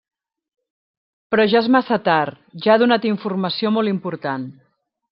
Però ja és massa tard, ja ha donat informació molt important.